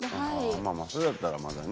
まあまあそれやったらまだね。